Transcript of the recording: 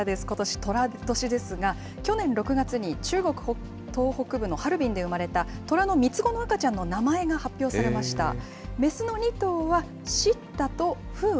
ことし、とら年ですが、去年６月に中国東北部のハルビンで産まれた虎の３つ子の赤ちゃんの名前が発表されました。